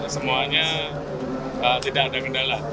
semuanya tidak ada kendala